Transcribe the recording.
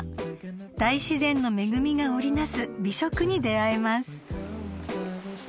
［大自然の恵みが織り成す美食に出合えます］